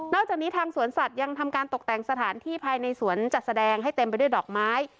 จากนี้ทางสวนสัตว์ยังทำการตกแต่งสถานที่ภายในสวนจัดแสดงให้เต็มไปด้วยดอกไม้